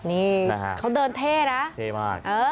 นี่นะฮะเขาเดินเท่นะเท่มาก